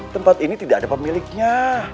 tempat ini tidak ada pemiliknya